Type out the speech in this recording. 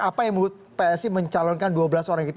apa yang membuat psi mencalonkan dua belas orang itu